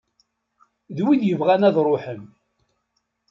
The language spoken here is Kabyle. D wid yebɣan ad ruḥen.